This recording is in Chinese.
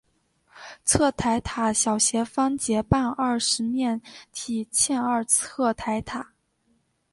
侧台塔小斜方截半二十面体欠二侧台塔。